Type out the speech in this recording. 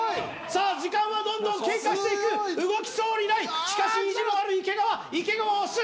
さあ時間はどんどん経過していく動きそうにないしかし意地もある池川池川押す！